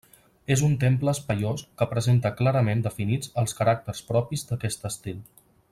És un temple espaiós que presenta clarament definits els caràcters propis d'aquest estil.